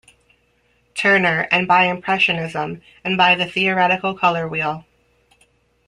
Turner and by impressionism, and by the theoretical colour wheel.